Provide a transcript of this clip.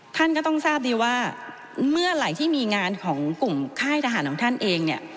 ท่านก็ต้องทราบดีว่าเมื่อไหร่ที่มีงานของกลุ่มค่ายทหารของท่านเองเนี่ย